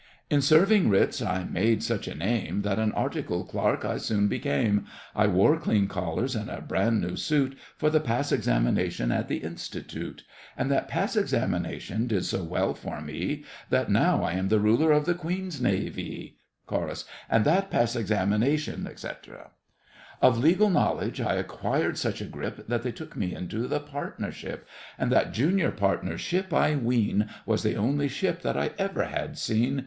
In serving writs I made such a name That an articled clerk I soon became; I wore clean collars and a brand new suit For the pass examination at the Institute, And that pass examination did so well for me, That now I am the Ruler of the Queen's Navee! CHORUS.—And that pass examination, etc. Of legal knowledge I acquired such a grip That they took me into the partnership. And that junior partnership, I ween, Was the only ship that I ever had seen.